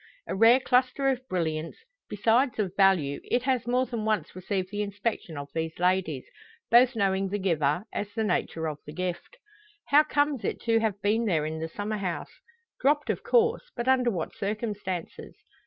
A rare cluster of brilliants, besides of value, it has more than once received the inspection of these ladies both knowing the giver, as the nature of the gift. How comes it to have been there in the summer house? Dropped, of course; but under what circumstances?